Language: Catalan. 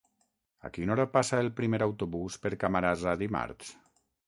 A quina hora passa el primer autobús per Camarasa dimarts?